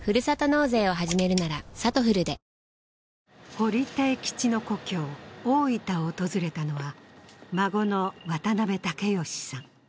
堀悌吉の故郷・大分を訪れたのは孫の渡辺壮嘉さん。